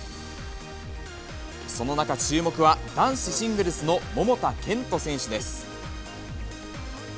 その中、注目は、男子シングルスの桃田賢斗選手です。